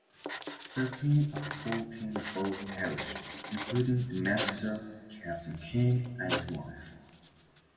Thirteen of the fourteen aboard perished, including the master, Captain King, and his wife.